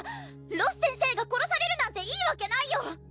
ロス先生が殺されるなんていいわけないよ！